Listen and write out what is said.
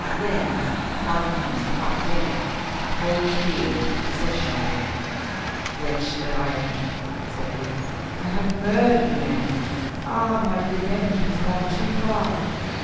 Then, finding he was quite dead, a cold fear took possession of him. "Wretch that I am," said he, "I have murdered a man. Ah, my revenge has gone too far.